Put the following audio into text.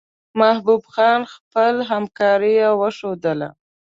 محبوب خان خپله همکاري وښودله.